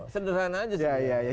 sederhana aja sebenarnya